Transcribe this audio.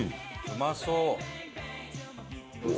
うまそう！